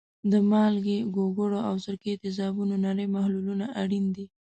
د مالګې، ګوګړو او سرکې تیزابونو نری محلولونه اړین دي.